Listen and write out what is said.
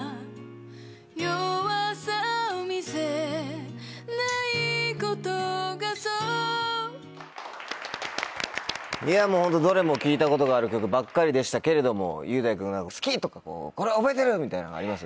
弱さを見せないことがそうホントどれも聴いたことがある曲ばっかりでしたけれども雄大君好き！とかこれ覚えてる！みたいなのあります？